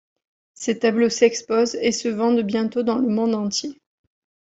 Ses tableaux s’exposent et se vendent bientôt dans le monde entier.